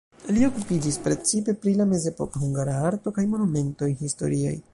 Li okupiĝis precipe pri la mezepoka hungara arto kaj monumentoj historiaj.